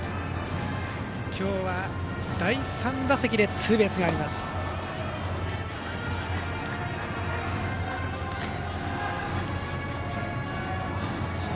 今日は第３打席でツーベースがあります、田上。